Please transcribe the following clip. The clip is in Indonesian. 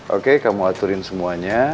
oke kamu aturin semuanya